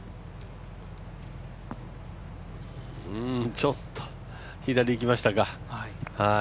ちょっと左、いきましたか。